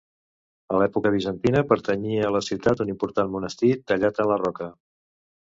A l'època bizantina, pertanyia a la ciutat un important monestir tallat en la roca.